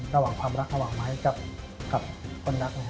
ระหว่างความรักระหว่างไม้กับคนรัก